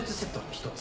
１つ。